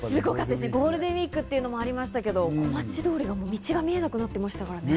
ゴールデンウイークっていうのもありましたが、小町通りの道が見えなくなってましたからね。